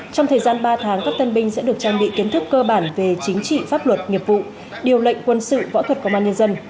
trong thời gian ba tháng các tân binh sẽ được trang bị kiến thức cơ bản về chính trị pháp luật nghiệp vụ điều lệnh quân sự võ thuật công an nhân dân